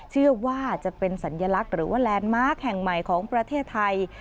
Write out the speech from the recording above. เชื่อว่าจะเป็นสัญลักษณ์หรือว่าแลนด์มาร์คแห่งใหม่ของประเทศไทย